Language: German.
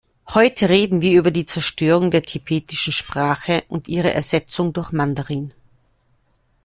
Heute reden wir über die Zerstörung der tibetischen Sprache und ihre Ersetzung durch Mandarin.